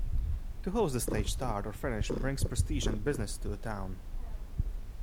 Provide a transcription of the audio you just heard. To host a stage start or finish brings prestige and business to a town.